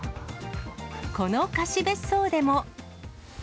この貸別荘でも。